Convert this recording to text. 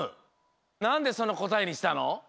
なんでそのこたえにしたの？